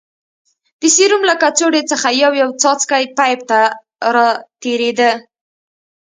د سيروم له کڅوړې څخه يو يو څاڅکى پيپ ته راتېرېده.